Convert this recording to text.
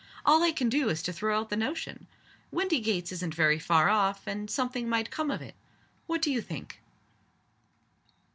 All I can do is to throw out the notion. Windygates isn't very far off and something might come of it. What do you think?"